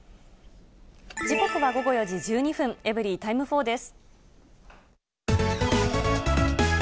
時刻は午後４時１２分、エブリィタイム４です。